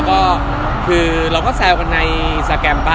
ก็จีบก็โดยสินะครับ